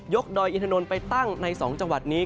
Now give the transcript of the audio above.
ยกดอยอีทานนท์ไปตั้งในสองจังหวัดนี้